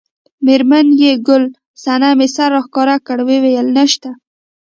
میرمن یې ګل صمنې سر راښکاره کړ وویل نشته.